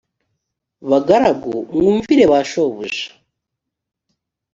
bagaragu mwumvire ba shobuja